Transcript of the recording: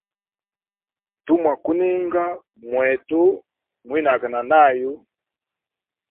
Tumwa kuninga mwetu mwinage na nayu.